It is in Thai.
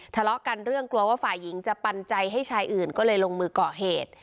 ทะเลาะกันเรื่องกลัวว่าฝ่ายหญิงจะปันใจให้ชายอื่นก็เลยลงมือก่อเหตุ